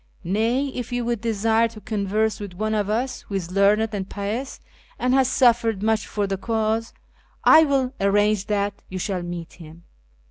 Nay, if you would desire to converse with one of us who is learned and pious and has suffered much for the cause, 1 will arrange that you shall meet him.